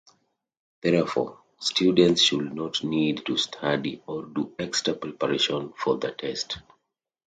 Therefore, students should not need to study or do extra preparation for the test.